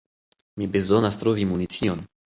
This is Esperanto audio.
Mi bezonas trovi municion.